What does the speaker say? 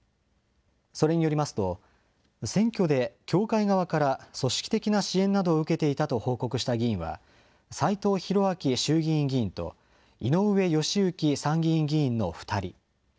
それによりますと、選挙で教会側から組織的な支援などを受けていたと報告した議員は、斎藤洋明衆議院議員と、井上義行参議院議員の２人。